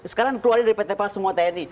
sekarang keluar dari pt pal semua tni